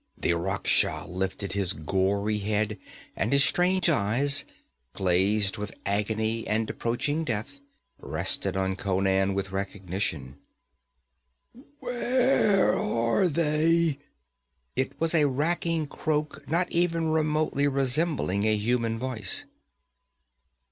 The Rakhsha lifted his gory head, and his strange eyes, glazed with agony and approaching death, rested on Conan with recognition. 'Where are they?' It was a racking croak not even remotely resembling a human voice.